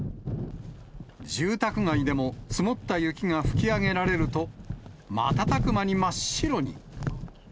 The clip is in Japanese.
住宅街でも、積もった雪が吹き上げられると、瞬く間に真っ白に。